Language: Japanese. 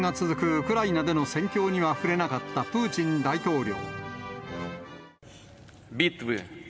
ウクライナでの戦況には触れなかったプーチン大統領。